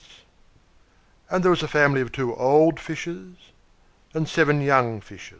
And there was a family of two old Fishes and seven young Fishes.